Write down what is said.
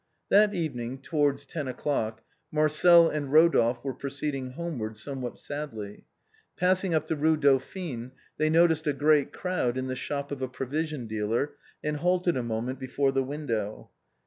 That evening, towards ten o'clock. Marcel and Eodolphe were proceeding homeward somewhat sadly. Passing up the Eue Dauphine they noticed a great crowd in the shop of a provision dealer, and halted a moment before the win dow.